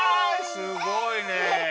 すごいね！